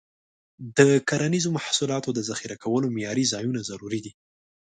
د کرنیزو محصولاتو د ذخیره کولو معیاري ځایونه ضروري دي.